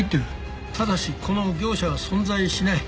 ただしこの業者は存在しない。